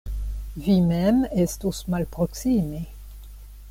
Vi mem estos malproksime.